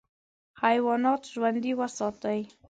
حیوانات ژوندي وساتې.